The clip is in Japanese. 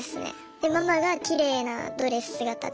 でママがきれいなドレス姿で。